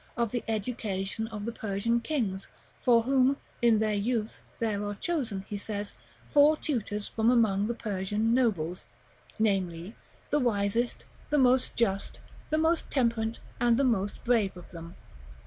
of the education of the Persian kings, for whom, in their youth, there are chosen, he says, four tutors from among the Persian nobles; namely, the Wisest, the most Just, the most Temperate, and the most Brave of them.